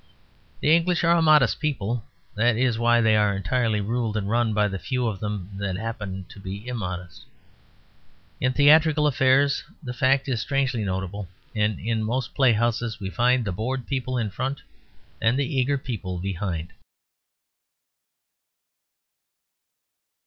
The English are a modest people; that is why they are entirely ruled and run by the few of them that happen to be immodest. In theatrical affairs the fact is strangely notable; and in most playhouses we find the bored people in front and the eager people behind.